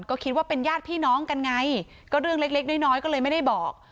ก็คิดว่าเป็นญาติพี่น้องกันไงก็เรื่องเล็กเล็กน้อยก็เลยไม่ได้บอก